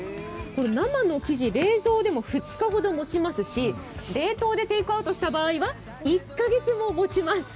生の生地、２日ほどもちますし、冷凍でテイクアウトした場合は１カ月ももちます。